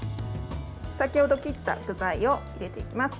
先ほど切った具材を入れていきます。